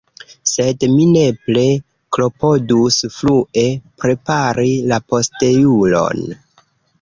Sed mi nepre klopodus frue prepari la posteulon.